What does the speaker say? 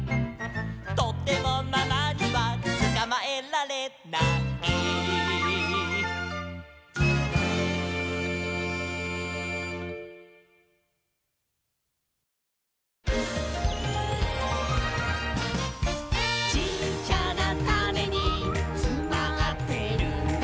「とてもママにはつかまえられない」「ちっちゃなタネにつまってるんだ」